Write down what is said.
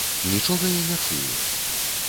Нічога я не чую.